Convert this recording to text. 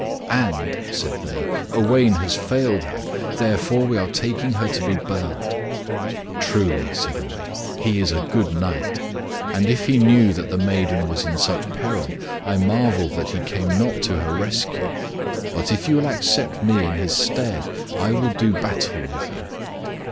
"And," said they, "Owain has failed her, therefore we are taking her to be burnt." "Truly," said Owain, "he is a good knight; and if he knew that the maiden was in such peril, I marvel that he came not to her rescue. But if you will accept me in his stead, I will do battle with you."